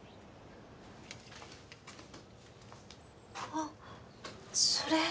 あっそれ。